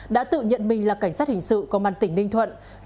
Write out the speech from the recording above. đã tự nhận mình là cảnh sát hình sự công an tỉnh ninh thuận